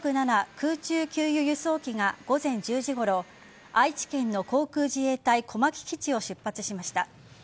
空中給油・輸送機が午前１０時ごろ愛知県の航空自衛隊小牧基地を出発しました。